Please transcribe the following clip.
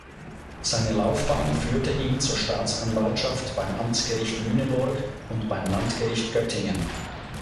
Seine Laufbahn führte ihn zur Staatsanwaltschaft beim Amtsgericht Lüneburg und beim Landgericht Göttingen.